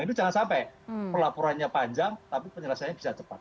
itu jangan sampai pelaporannya panjang tapi penyelesaiannya bisa cepat